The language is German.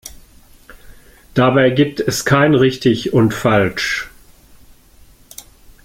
Dabei gibt es kein Richtig und Falsch.